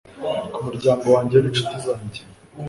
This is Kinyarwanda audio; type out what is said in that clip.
ku muryango wanjye n'inshuti zanjye